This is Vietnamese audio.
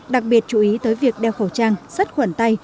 đặc biệt chú ý tới việc đeo khẩu trang sắt khuẩn tay